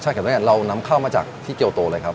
ใช่ครับตอนนี้เรานำเข้ามาจากที่เกียวโตเลยครับ